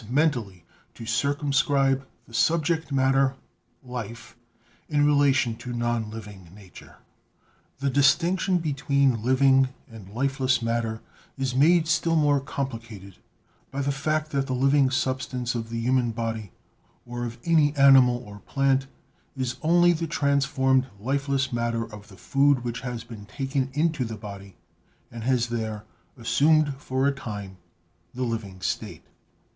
mentally to circumscribe the subject matter, life, in rela tion to non living nature. The distinction between living and lifeless matter is made still more complicated by the fact that the living substance of the human body, or of any animal or plant, is only the transformed lifeless matter of the food which has been taken into the body and has there assumed, for a time, the living state.